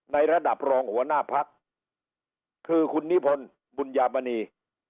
ในระดับรองหัวหน้าพักคือคุณนิพนธ์บุญญามณี